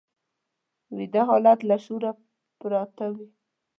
ویده حالت له شعور پرته وي